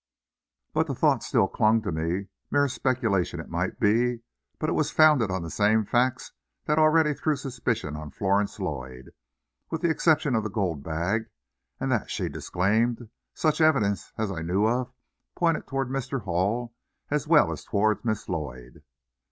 But the thought still clung to me; mere speculation it might be, but it was founded on the same facts that already threw suspicion on Florence Lloyd. With the exception of the gold bag and that she disclaimed such evidence as I knew of pointed toward Mr. Hall as well as toward Miss Lloyd.